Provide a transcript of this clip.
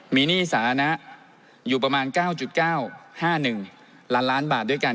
มีหนี้สาธารณะอยู่ประมาณ๙๙๕๑ล้านล้านบาทด้วยกัน